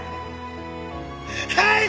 はい！